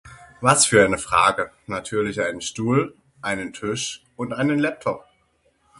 Was für eine Frage, natürlich einen Stuhl, einen Tisch und einen Laptop.